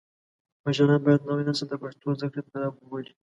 مشران باید نوی نسل د پښتو زده کړې ته راوبولي.